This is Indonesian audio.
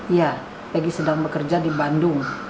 iya egy sedang bekerja di bandung